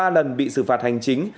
ba lần bị xử phạt hành chính